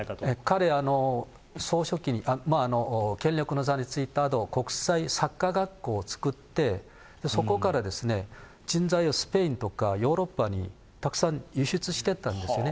彼、総書記、権力の座に就いたあと、国際サッカー学校を作って、そこから人材をスペインとかヨーロッパにたくさん輸出してったんですよね。